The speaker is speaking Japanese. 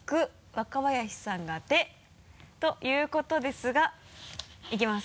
若林さんが「て」ということですがいきます。